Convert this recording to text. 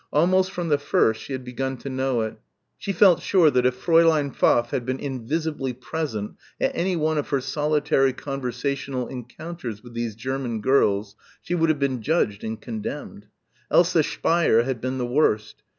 Almost from the first she had begun to know it. She felt sure that if Fräulein Pfaff had been invisibly present at any one of her solitary conversational encounters with these German girls she would have been judged and condemned. Elsa Speier had been the worst.